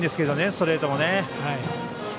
ストレートもね。